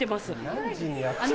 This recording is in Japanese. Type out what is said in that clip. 何時にやって。